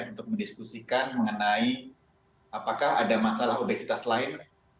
untuk mendiskusikan mengenai apakah ada masalah obesitas lain